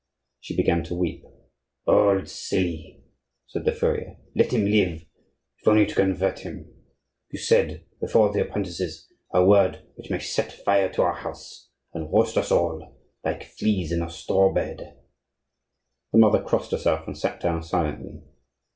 She began to weep. "Old silly," said the furrier; "let him live, if only to convert him. You said, before the apprentices, a word which may set fire to our house, and roast us all, like fleas in a straw bed." The mother crossed herself, and sat down silently.